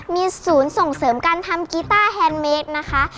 มีศูนย์ส่งเสริมการทำกีต้าแฮนดเมคนะคะ